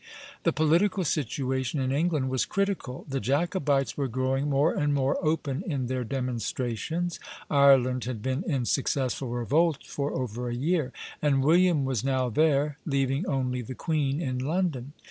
The political situation in England was critical. The Jacobites were growing more and more open in their demonstrations, Ireland had been in successful revolt for over a year, and William was now there, leaving only the queen in London.